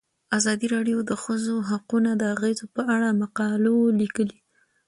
ازادي راډیو د د ښځو حقونه د اغیزو په اړه مقالو لیکلي.